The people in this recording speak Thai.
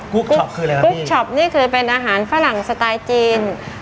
กช็อปเคยเลยฮะกุ๊กช็อปนี่คือเป็นอาหารฝรั่งสไตล์จีน